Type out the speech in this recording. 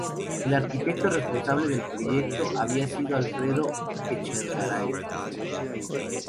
El arquitecto responsable del proyecto había sido Alfredo Echegaray.